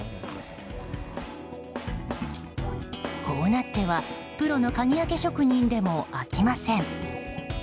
こうなってはプロの鍵開け職人でも開きません。